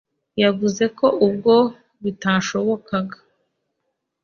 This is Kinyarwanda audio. yavuze ko ubwo bitashobokaga